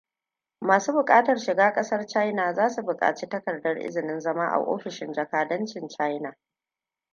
Masu bukatar shiga kasar China zasu bukaci takardar izinin zama a offishin jakadancin China.